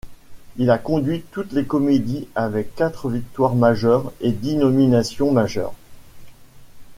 Il a conduit toutes les comédies avec quatre victoires majeures et dix nominations majeures.